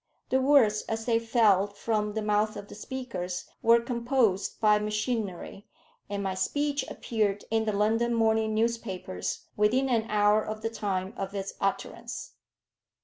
The words as they fell from the mouth of the speakers were composed by machinery, and my speech appeared in the London morning newspapers within an hour of the time of its utterance.